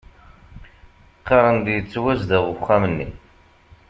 Qqaren-d yettwazdeɣ uxxam-nni